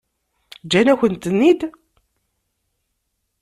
Ǧǧan-akent-ten-id?